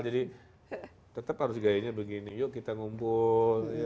jadi tetap harus gayanya begini yuk kita ngumpul